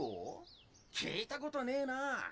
聞いたことねえな。